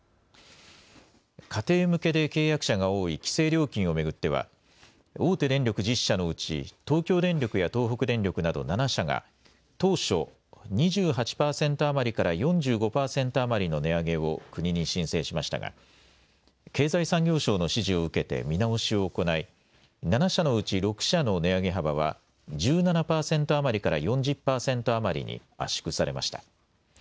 家庭向けで契約者が多い規制料金を巡っては大手電力１０社のうち東京電力や東北電力など７社が当初、２８％余りから４５％余りの値上げを国に申請しましたが経済産業省の指示を受けて見直しを行い７社のうち６社の値上げ幅は１７％余りから４０％余りに圧縮されました。